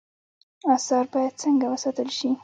آثار باید څنګه وساتل شي؟